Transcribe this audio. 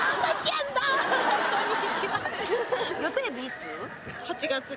こんにちは。